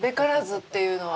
っいうのは。